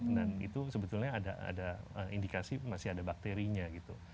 dan itu sebetulnya ada indikasi masih ada bakterinya gitu